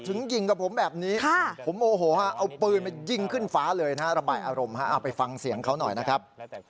ทรับไหลอารมณ์ไปฟังเสียงเขาหน่อยนะครับ